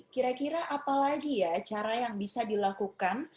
kira kira apa lagi ya cara yang bisa dilakukan